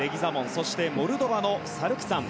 そしてモルドバのサルクツァン